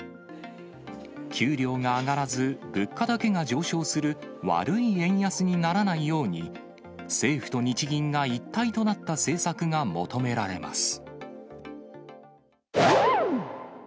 給料が上がらず、物価だけが上昇する悪い円安にならないように、政府と日銀が一体となった政策が求められます。